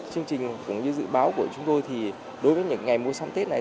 chương trình cũng như dự báo của chúng tôi thì đối với những ngày mua sắm tết này